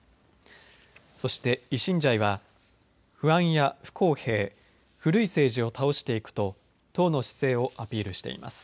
そして維新ジャイは不安や不公平、古い政治を倒していくと党の姿勢をアピールしています。